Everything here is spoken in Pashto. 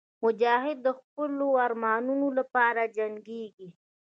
مجاهد د خپلو ارمانونو لپاره جنګېږي.